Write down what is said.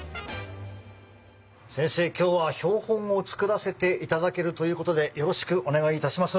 先生今日は標本を作らせていただけるということでよろしくお願いいたします。